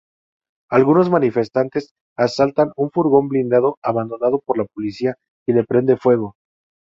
Algunos manifestantes asaltan un furgón blindado abandonado por la policía y le prenden fuego.